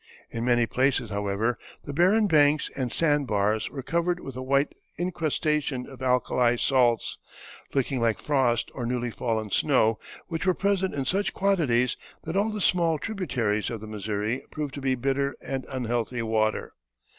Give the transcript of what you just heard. In many places, however, the barren banks and sand bars were covered with a white incrustation of alkali salts, looking like frost or newly fallen snow, which were present in such quantities that all the small tributaries of the Missouri proved to be bitter and unhealthy water.